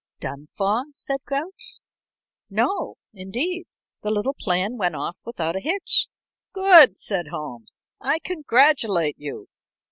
"Done for?" said Grouch. "No, indeed. The little plan when off without a hitch." "Good," said Holmes. "I congratulate you.